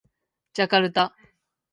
ジャカルタ